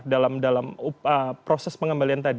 dalam proses pengembalian tadi